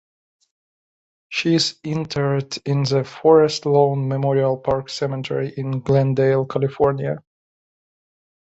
She is interred in the Forest Lawn Memorial Park Cemetery in Glendale, California.